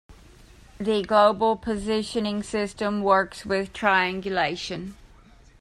The global positioning system works with triangulation.